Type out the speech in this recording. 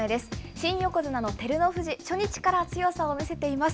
新横綱の照ノ富士、初日から強さを見せています。